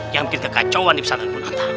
jangan bikin kekacauan nih pesanankun anta